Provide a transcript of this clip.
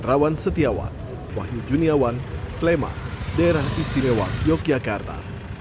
rawan setiawan wahyu juniawan sleman daerah istimewa yogyakarta